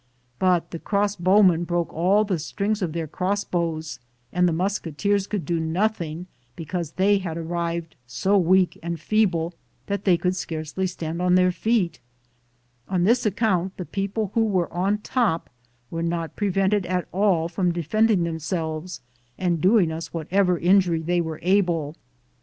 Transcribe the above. But the crossbow men broke all the strings of their crossbows and the musketeers could do nothing, be cause they had arrived so weak and feeble that they could scarcely stand on their feet; On thiB account the people who were on top were not prevented at all from defending themselves and doing us whatever injury they were able.